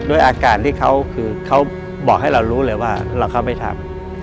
ด้วยอาการที่เขาคือเขาบอกให้เรารู้เลยว่าเขาไม่ทำ